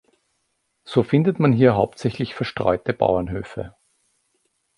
So findet man hier hauptsächlich verstreute Bauernhöfe.